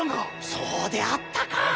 そうであったか！